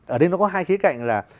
ở đây nó có hai khía cạnh là